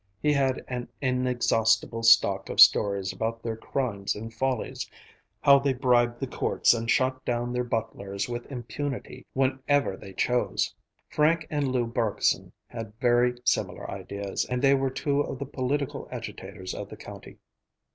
He had an inexhaustible stock of stories about their crimes and follies, how they bribed the courts and shot down their butlers with impunity whenever they chose. Frank and Lou Bergson had very similar ideas, and they were two of the political agitators of the county.